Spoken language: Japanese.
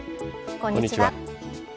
こんにちは。